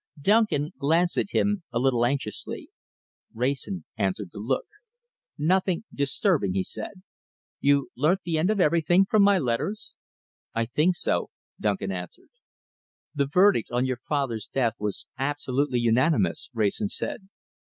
Duncan glanced at him a little anxiously. Wrayson answered the look. "Nothing disturbing," he said. "You learnt the end of everything from my letters?" "I think so," Duncan answered. "The verdict on your father's death was absolutely unanimous," Wrayson said.